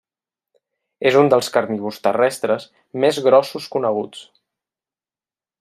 És un dels carnívors terrestres més grossos coneguts.